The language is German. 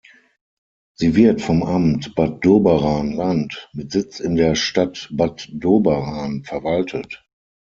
Sie wird vom Amt Bad Doberan-Land mit Sitz in der Stadt Bad Doberan verwaltet.